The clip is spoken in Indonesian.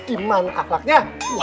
apaan sih akhlaknya